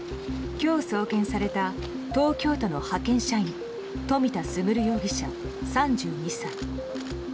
今日、送検された東京都の派遣社員冨田賢容疑者、３２歳。